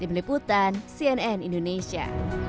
di meliputan cnn indonesia